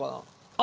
あ。